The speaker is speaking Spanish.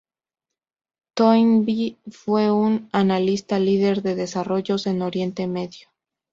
Toynbee fue un analista líder de desarrollos en Oriente Medio.